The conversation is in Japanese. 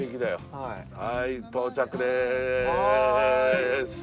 はい到着です！